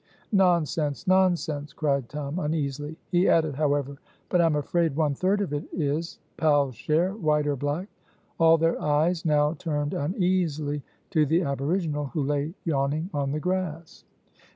"Nonsense! nonsense!" cried Tom, uneasily; he added, however, "but I am afraid one third of it is pals share, white or black." All their eyes now turned uneasily to the Aboriginal, who lay yawning on the grass.